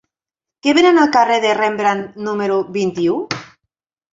Què venen al carrer de Rembrandt número vint-i-u?